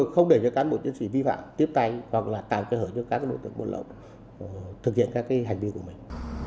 không để cho cán bộ chiến sĩ vi phạm tiếp tay hoặc là tạo cơ sở cho các đối tượng buôn lậu thực hiện các hành vi của mình